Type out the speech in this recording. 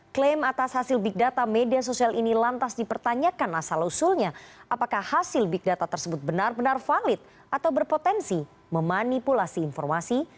klaim atas hasil big data media sosial ini lantas dipertanyakan asal usulnya apakah hasil big data tersebut benar benar valid atau berpotensi memanipulasi informasi